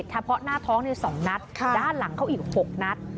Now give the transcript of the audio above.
เฉพาะหน้าท้อง๒นัดด้านหลังเขาอีก๖นัด